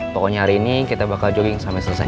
pokoknya hari ini kita bakal jogging sampai selesai